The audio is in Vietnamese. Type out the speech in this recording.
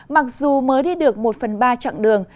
mặc dù mới đi được một phần ba chặng đường